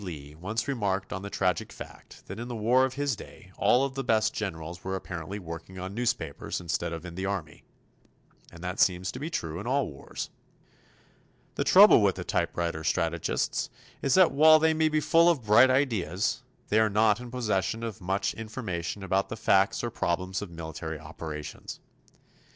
Lee, once remarked on the tragic fact that in the war of his day all of the best generals were apparently working on newspapers instead of in the Army. And that seems to be true in all wars. The trouble with the typewriter strategists is that while they may be full of bright ideas, they are not in possession of much information about the facts or problems of military operations.